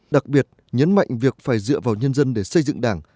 đặc biệt nhấn mạnh việc phải dựa vào nhân dân để xây dựng đảng